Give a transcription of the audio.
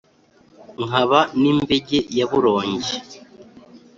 nkaba n’imbege ya burongi,